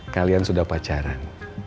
kalian sudah pacaran